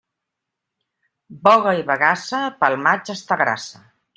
Boga i bagassa, pel maig està grassa.